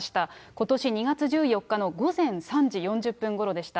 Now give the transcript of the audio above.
ことし２月１４日の午前３時４０分ごろでした。